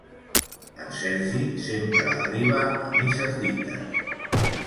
En Sergi sempre arriba a misses dites.